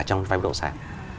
trong vay bất động sản